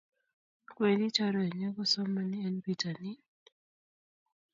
Wendi chorwenyun kosomani en pitanin